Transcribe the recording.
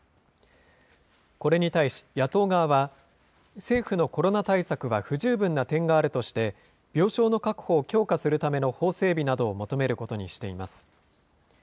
これに対し、野党側は、政府のコロナ対策は不十分な点があるとして、病床の確保を強化するための法整備などを求めることにしています。